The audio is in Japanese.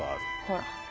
ほら。